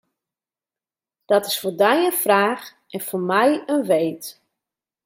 Dat is foar dy in fraach en foar my in weet.